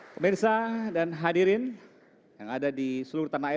pemirsa dan hadirin yang ada di seluruh tanah air